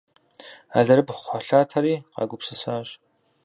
Алэрыбгъу-кхъухьлъатэри къагупсысащ.